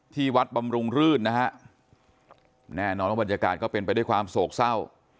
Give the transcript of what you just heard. ที่วัดบำรุงรื่นนะฮะแน่นอนว่าบรรยากาศก็เป็นไปด้วยความโศกเศร้า